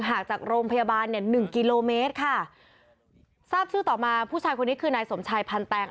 ห่างจากโรงพยาบาลเนี่ยหนึ่งกิโลเมตรค่ะทราบชื่อต่อมาผู้ชายคนนี้คือนายสมชายพันแตง